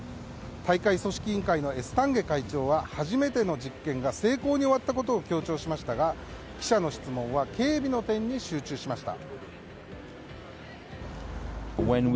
大会組織委員会のエスタンゲ会長は初めての実験が成功に終わったことを強調しましたが記者の質問は警備の点に集中しました。